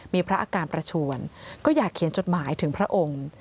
มีพระอาการประชวนก็อยากเขียนจดหมายถึงพระองค์